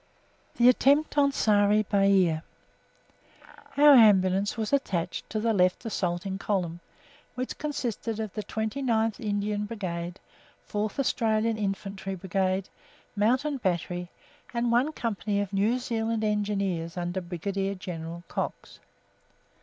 THE ATTEMPT ON SARI BAIR Our Ambulance was attached to the Left Assaulting Column, which consisted of the 29th Indian Brigade, 4th Australian Infantry Brigade, Mountain Battery and one company of New Zealand Engineers under Brigadier General Cox.